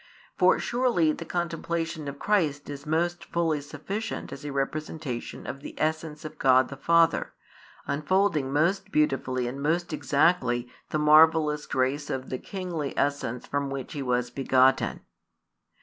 For surely the contemplation of Christ is most fully sufficient as a representation of the Essence of God the Father, unfolding most beautifully and most exactly the marvellous grace of the Kingly Essence from which He was begotten.